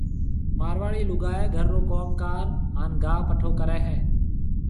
مارواڙي لوگائي گھر رو ڪوم ھان گاھ پٺو ڪرَي ھيَََ